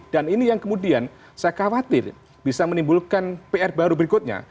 dan ini yang kemudian saya khawatir bisa menimbulkan pr baru berikutnya